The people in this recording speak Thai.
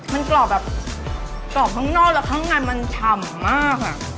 มันกรอบแบบกรอบทั้งนอกและทั้งในมันฉ่ำมาก